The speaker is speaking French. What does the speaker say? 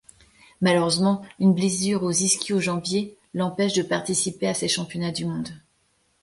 Malheureusement, une blessure aux ischio-jambiers l'empêche de participer à ces championnats du monde.